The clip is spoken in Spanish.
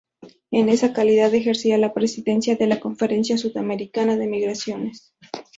En esa calidad ejercía la Presidencia de la Conferencia Sudamericana de Migraciones.